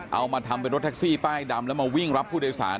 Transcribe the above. เอามาทำเป็นรถแท็กซี่ป้ายดำแล้วมาวิ่งรับผู้โดยสาร